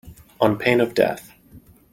On pain of death.